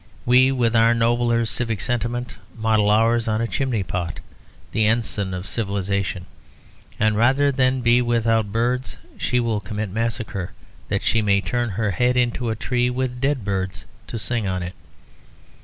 We, with our nobler civic sentiment, model ours on a chimney pot; the ensign of civilisation. And rather than be without birds, she will commit massacre, that she may turn her head into a tree, with dead birds to sing on it."